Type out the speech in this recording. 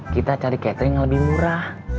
kita cari catering yang lebih murah